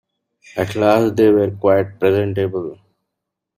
At last they were quite presentable.